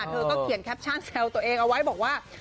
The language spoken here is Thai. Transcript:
เธอก็เขียนแคปชั่นแซวตัวเองเอาไว้บอกว่า